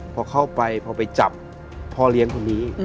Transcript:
พอเข้าไปพอไปจับพ่อเลี้ยงคนนี้